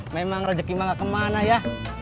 memang rezeki mah gak kemana ya